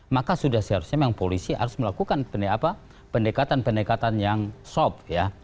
maka sudah seharusnya memang polisi harus melakukan pendekatan pendekatan yang sop ya